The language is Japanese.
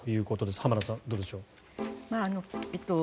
浜田さん、どうでしょうか。